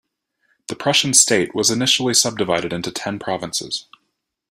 The Prussian state was initially subdivided into ten provinces.